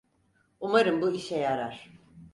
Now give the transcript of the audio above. Umarım bu işe yarar.